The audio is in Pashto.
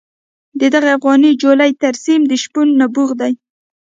د دغې افغاني جولې ترسیم د شپون نبوغ دی.